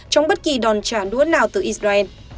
trong bất kỳ đòn trả nuốt nào từ israel